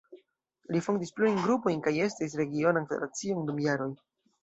Li fondis plurajn grupojn kaj estris regionan federacion dum jaroj.